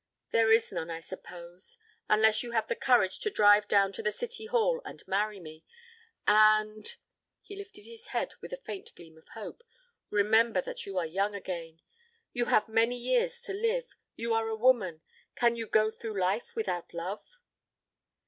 "There is none, I suppose. Unless you have the courage to drive down to the City Hall and marry me ... and" he lifted his head with a faint gleam of hope "remember that you are young again. You have many years to live. You are a woman. Can you go through life without love?"